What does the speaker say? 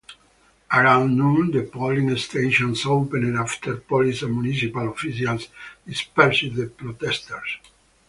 Around noon the polling stations opened after police and municipal officials dispersed the protesters.